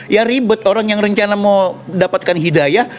ya ribet orang yang rencana mau dapatkan hidayah